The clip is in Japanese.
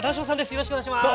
よろしくお願いします！